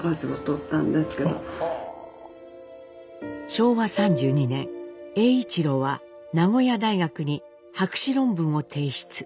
昭和３２年栄一郎は名古屋大学に博士論文を提出。